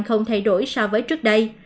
không thay đổi so với trước đây